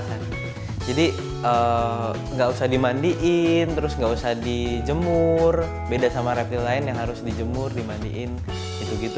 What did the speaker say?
jadi tidak usah dimandikan tidak usah dijemur beda dengan reptil lain yang harus dijemur dimandikan